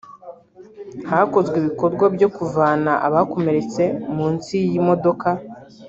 hakozwe ibikorwa byo kuvana abakomeretse munsi y’iyi modoka